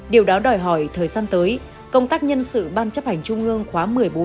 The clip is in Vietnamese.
điều đó đòi hỏi thời gian tới công tác nhân sự ban chấp hành trung ương khóa một mươi bốn